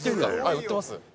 売ってます。